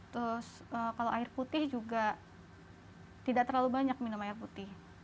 terus kalau air putih juga tidak terlalu banyak minum air putih